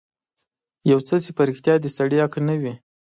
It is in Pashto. يو څه چې په رښتيا د سړي حق نه وي.